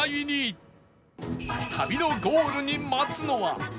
旅のゴールに待つのは